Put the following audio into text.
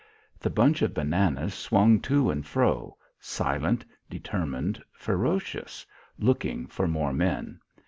The bunch of bananas swung to and fro, silent, determined, ferocious, looking for more men.